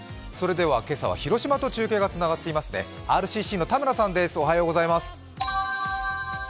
今朝は広島と中継がつながっていますねＲＣＣの田村さん、おはようございます。